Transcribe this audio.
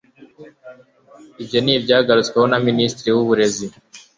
Ibyo ni ibyagarutsweho na Minisitiri w'Uburezi,